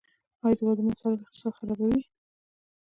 آیا د واده مصارف اقتصاد خرابوي؟